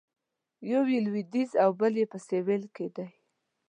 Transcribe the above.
یو یې لویدیځ او بل یې په سویل کې دی.